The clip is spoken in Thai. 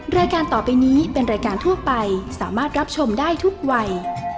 รายการต่อไปนี้เป็นรายการทั่วไปสามารถรับชมได้ทุกวัย